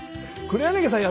黒柳さん。